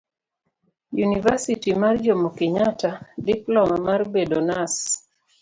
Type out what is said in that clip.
univasiti mar jomo kenyatta ,diploma mar bedo nas